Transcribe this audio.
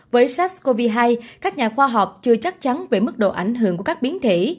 với sars cov hai các nhà khoa học chưa chắc chắn về mức độ ảnh hưởng của các biến thể